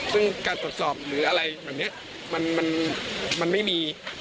ซึ่งการตรวจสอบหรืออะไรแบบนี้มันไม่มี